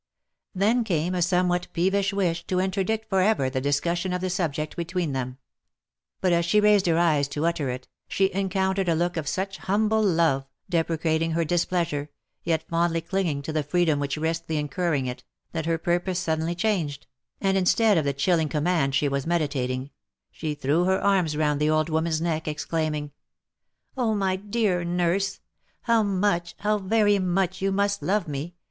Then came a somewhat peevish wish to interdict for ever the discussion of the subject between them ; but as she raised her eyes to utter it, she encountered a look of such humble love, deprecating her displeasure, yet fondly clinging to the freedom which risked the incur ing it, that her purpose suddenly changed, and instead of the chilling command she was meditating, she threw her arms round the old woman's neck, exclaiming, " Oh ! my dear nurse ! How much, how very much you must love me